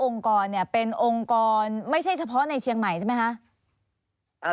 กรเนี่ยเป็นองค์กรไม่ใช่เฉพาะในเชียงใหม่ใช่ไหมคะ